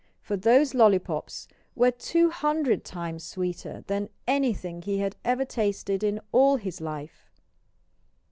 For those lollypops were two hundred times sweeter than anything he had ever tasted in all his life!